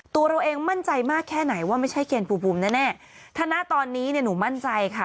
ตัวเราเองมั่นใจมากแค่ไหนว่าไม่ใช่เคนภูมิแน่แน่ถ้าณตอนนี้เนี่ยหนูมั่นใจค่ะ